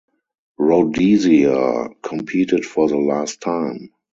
Rhodesia competed for the last time.